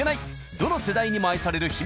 どの世代にも愛される秘密